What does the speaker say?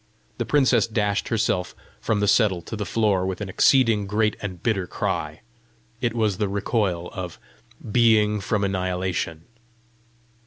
The princess dashed herself from the settle to the floor with an exceeding great and bitter cry. It was the recoil of Being from Annihilation.